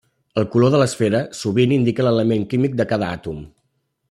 El color de l'esfera sovint indica l'element químic de cada àtom.